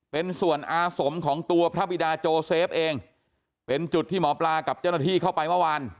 เป็นส่วนอาสมของตัวพระบิดาโจเซฟเองเป็นจุดที่หมอปลากับเจ้าหน้าที่เข้าไปเมื่อวาน